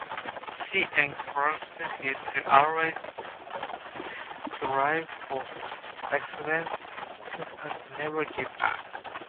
She encouraged us to always strive for excellence and to never give up.